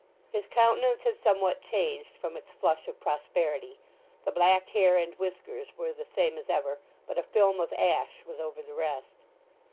His countenance had somewhat changed from its flush of prosperity; the black hair and whiskers were the same as ever, but a film of ash was over the rest.